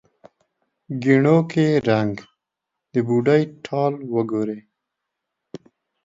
ګېڼو کې رنګ، د بوډۍ ټال وګورې